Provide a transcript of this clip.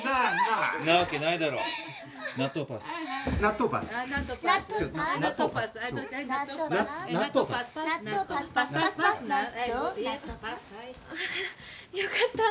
ああよかった。